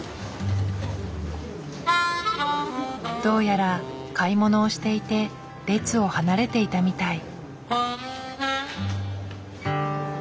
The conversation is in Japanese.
どうやら買い物をしていて列を離れていたみたい。